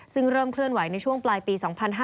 ซึ่งเริ่มเคลื่อนไหวในช่วงปลายปี๒๕๕๙